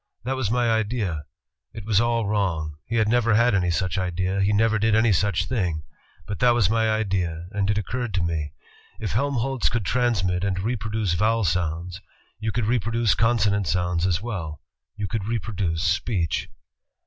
That was my idea. It was all wrong. He never had any such idea, he never did any such thing, but that was my idea, and it occurred to me: * If Helmholtz could transmit and reproduce vowel sounds, you could reproduce consonant sounds as well; you could reproduce speech.'